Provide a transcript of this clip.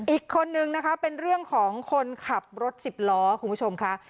อีกคนนึงนะคะเป็นเรื่องของคนขับรถสิบล้อคุณผู้ชมค่ะ